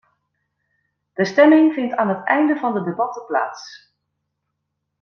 De stemming vindt aan het einde van de debatten plaats.